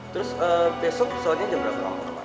terus besok pesawatnya jam berapa om